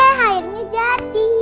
yeay akhirnya jadi